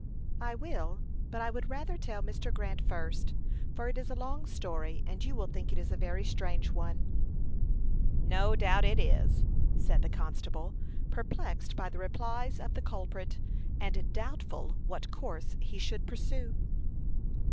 "I will, but I would rather tell Mr. Grant first, for it is a long story, and you will think it is a very strange one." "No doubt it is," said the constable, perplexed by the replies of the culprit, and doubtful what course he should pursue.